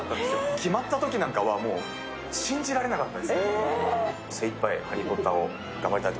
決まったときなんかはもう信じられなかったです。